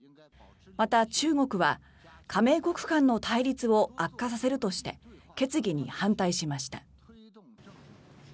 また、中国は加盟国間の対立を悪化させるとして決議に反対しました。